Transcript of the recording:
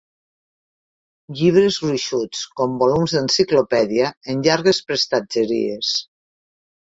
Llibres gruixuts, com volums d'enciclopèdia, en llargues prestatgeries.